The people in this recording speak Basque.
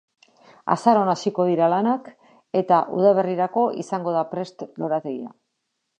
Azaroan hasiko dira lanak, eta udaberrirako izango da prest lorategia.